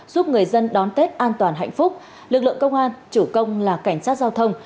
giúp người dân đón tết an toàn hạnh phúc lực lượng công an chủ công là cảnh sát giao thông